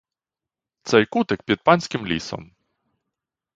Цей кутик під панським лісом.